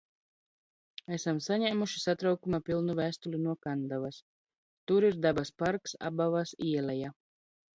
Esam saņēmuši satraukuma pilnu vēstuli no Kandavas. Tur ir dabas parks "Abavas ieleja".